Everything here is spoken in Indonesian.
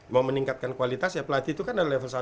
mau meningkatkan kualitas ya pelatih itu kan ada level satu